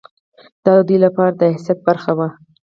دا د دوی لپاره د حیثیت خبره وه.